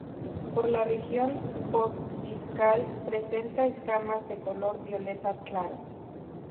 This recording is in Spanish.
Por la región postdiscal presenta escamas de color violeta claro.